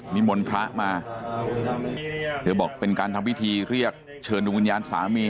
นิมนต์พระมาเธอบอกเป็นการทำพิธีเรียกเชิญดวงวิญญาณสามี